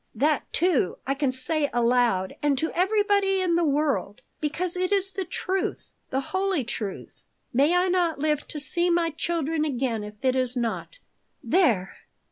That, too, I can say aloud and to everybody in the world, because it is the truth, the holy truth. May I not live to see my children again if it is not. There!"